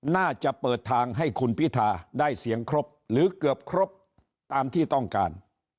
น่าจะเปิดทางให้คุณพิทาได้เสียงครบหรือเกือบครบตามที่ต้องการ